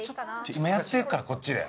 今やってるからこっちで。